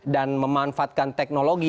dan memanfaatkan teknologi